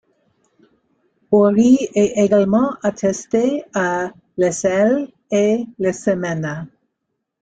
Hori est également attesté à l'Sehel et Semneh.